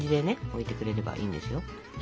置いてくれればいいんですよ。